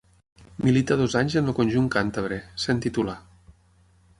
Milita dos anys en el conjunt càntabre, sent titular.